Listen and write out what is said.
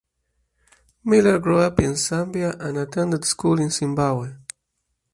Miller grew up in Zambia and attended school in Zimbabwe.